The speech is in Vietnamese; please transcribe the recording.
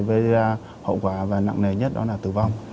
với ra hậu quả và nặng nề nhất đó là tử vong